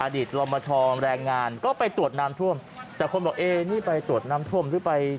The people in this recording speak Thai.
รอมชแรงงานก็ไปตรวจน้ำท่วมแต่คนบอกเอ๊นี่ไปตรวจน้ำท่วมหรือไป